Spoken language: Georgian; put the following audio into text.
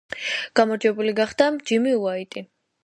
გამარჯვებული გახდა ჯიმი უაიტი.